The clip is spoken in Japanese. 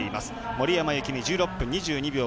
森山幸美１６分２２秒２４。